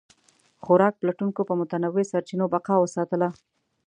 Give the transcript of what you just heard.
خوراک پلټونکو په متنوع سرچینو بقا وساتله.